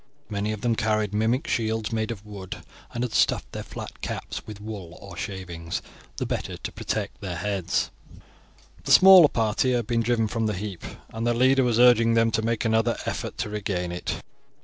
Many of them carried mimic shields made of wood, and had stuffed their flat caps with wool or shavings, the better to protect their heads from blows. The smaller party had just been driven from the heap, and their leader was urging them to make another effort to regain it.